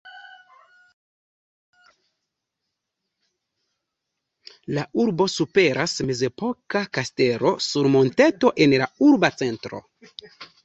La urbon superas mezepoka kastelo sur monteto en la urba centro.